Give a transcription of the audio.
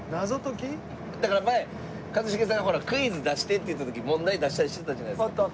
だから前一茂さんがほらクイズ出してって言った時問題出したりしてたじゃないですか。